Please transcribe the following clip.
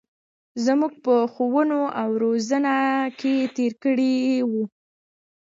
زمـوږ په ښـوونه او روزنـه کـې تېـر کـړى و.